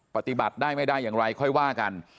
ปฏิบัติได้ไม่ได้อย่างไรค่อยว่ากัน